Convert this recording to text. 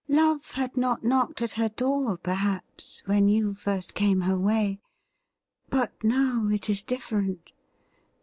' Love had not knocked at her door, perhaps, when you first came her way ; but now it is difierent.